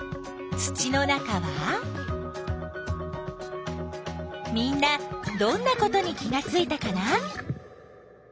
みんなどんなことに気がついたかな？